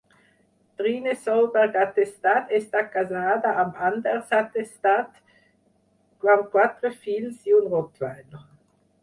Trine Solberg-Hattestad està casada amb Anders Hattestad, amb quatre fills i un rottweiler.